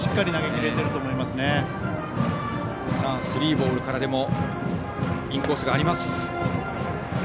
スリーボールからでもインコースがあります。